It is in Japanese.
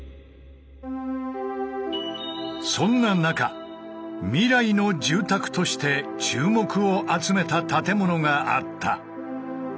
そんな中「未来の住宅」として注目を集めた建物があった。